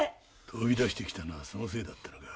飛び出してきたのはそのせいだったのか。